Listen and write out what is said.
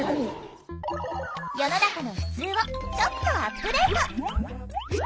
世の中のふつうをちょっとアップデート。